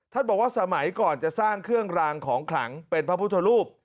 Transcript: บอกว่าสมัยก่อนจะสร้างเครื่องรางของขลังเป็นพระพุทธรูป